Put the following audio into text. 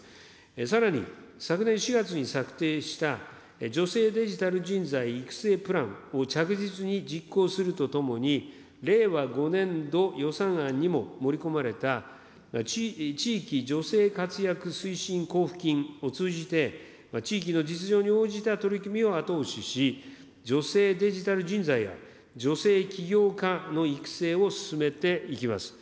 さらに昨年４月に策定した女性デジタル人材育成プランを着実に実行するとともに、令和５年度予算案にも盛り込まれた、地域女性活躍推進交付金を通じて、地域の実情に応じた取り組みを後押しし、女性デジタル人材や女性起業家の育成を進めていきます。